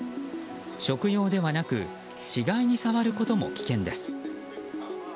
食用ではなく死骸に触ることも危険です。